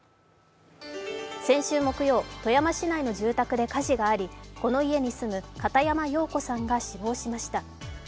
先週木曜、富山市内の住宅で火事があり、この家に住む片山洋子さんが死亡しました。